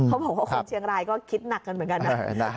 เขาบอกว่าคนเชียงรายก็คิดหนักกันเหมือนกันนะ